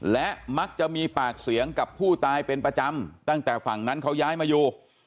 และมักจะมีปากเสียงกับผู้ตายเป็นประจำตั้งแต่ฝั่งนั้นเขาย้ายมาอยู่